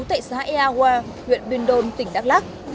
tại xã ea hoa huyện buôn đôn tỉnh đắk lắc